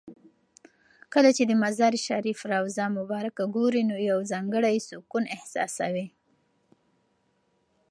کله چې د مزار شریف روضه مبارکه ګورې نو یو ځانګړی سکون احساسوې.